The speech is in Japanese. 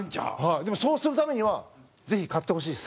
でも、そうするためにはぜひ、買ってほしいです。